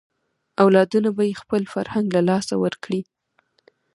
اولادونه به یې خپل فرهنګ له لاسه ورکړي.